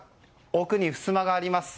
奥にふすまがあります。